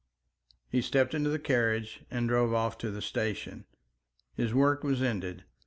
He stepped into the carriage and drove off to the station. His work was ended.